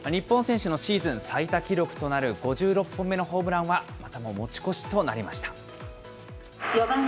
日本選手のシーズン最多記録となる５６本目のホームランはまたも持ち越しとなりました。